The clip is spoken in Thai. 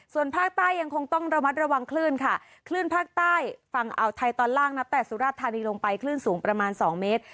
ส่วนภาคใต้ยังคงต้องระมัดระวังคลื่นค่ะคลื่นภาคใต้ฝั่งอ่าวไทยตอนล่างนับแต่สุราชธานีลงไปคลื่นสูงประมาณ๒เมตร